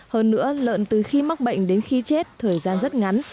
hơn nữa lợn từ khi mắc bệnh đến khi chết thời gian rất ngắn